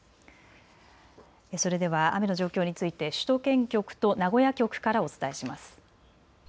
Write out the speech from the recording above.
それでは雨の状況について首都圏局と名古屋局からお伝えします。